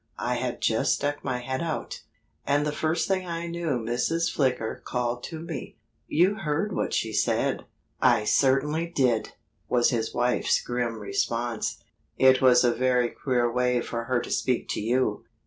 I had just stuck my head out. And the first thing I knew Mrs. Flicker called to me. You heard what she said." "I certainly did!" was his wife's grim response. "It was a very queer way for her to speak to you."